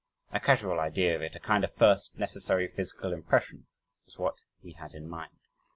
A casual idea of it, a kind of a first necessary physical impression, was what we had in mind.